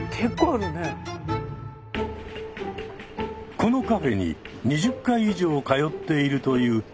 このカフェに２０回以上通っているという常連の尾崎さん。